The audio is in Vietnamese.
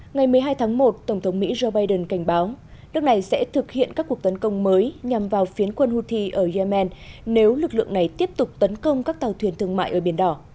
ngày một mươi hai tháng một tổng thống mỹ joe biden cảnh báo nước này sẽ thực hiện các cuộc tấn công mới nhằm vào phiến quân houthi ở yemen nếu lực lượng này tiếp tục tấn công các tàu thuyền thương mại ở biển đỏ